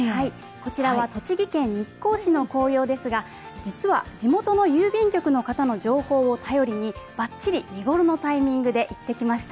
こちらは栃木県日光市の紅葉ですが、実は地元の郵便局の方の情報を頼りに、ばっちり見ごろのタイミングで行ってきました。